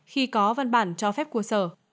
khi có văn bản cho phép quốc sở